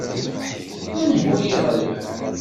Menhu i iɣelben?